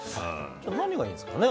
何がいいですかね？